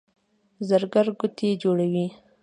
زرګر ګوتې جوړوي.